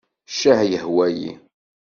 Ccah yehwa-yi.